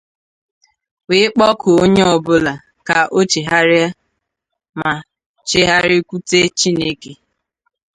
wee kpọkuo onye ọbụla ka o chegharịa ma chigharịkwute Chineke